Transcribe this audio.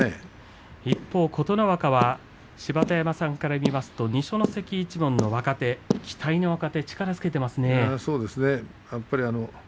一方の琴ノ若は芝田山さんから見ますと二所ノ関一門の若手力をつけてますね。